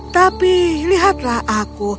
tapi lihatlah aku